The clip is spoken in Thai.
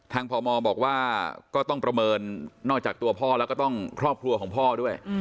พมบอกว่าก็ต้องประเมินนอกจากตัวพ่อแล้วก็ต้องครอบครัวของพ่อด้วย